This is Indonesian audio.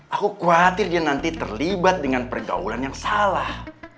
aku khawatir dia nanti terlibat dengan pergaulan yang salah